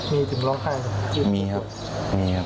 มีถึงร้องไห้หรือเป็นเพื่อปวดมีครับมีครับมีครับ